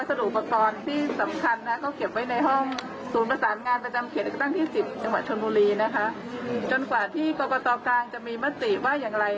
จดการที่กรบตากลางจะมีมัธิว่าอย่างไรนะคะ